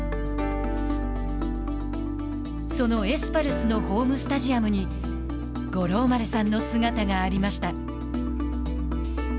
そのエスパルスのホームスタジアムに五郎丸さんの姿がありました。